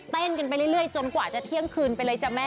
เต้นกันไปเรื่อยจนกว่าจะเที่ยงคืนไปเลยจ้ะแม่